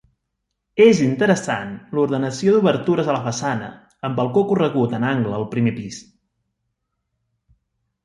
És interessant l'ordenació d'obertures a la façana, amb balcó corregut en angle al primer pis.